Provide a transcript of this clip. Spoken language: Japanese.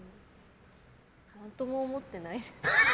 何とも思ってない。